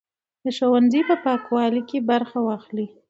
د ښوونځي په پاکوالي کې برخه واخلئ.